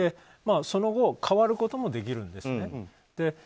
その後変わることもできるんです。